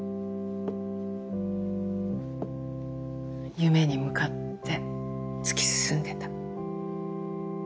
夢に向かって突き進んでた。